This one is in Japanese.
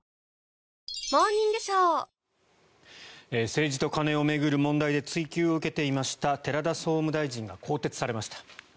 政治と金と巡る問題で追及を受けていました寺田総務大臣が更迭されました。